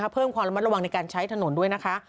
เพิ่มความระมัดระวังในการใช้ถนนด้วยนะคะ